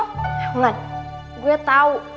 nelan gue tau